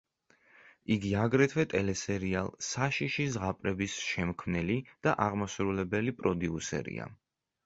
იგი აგრეთვე ტელესერიალ „საშიში ზღაპრების“ შექმნელი და აღმასრულებელი პროდიუსერია.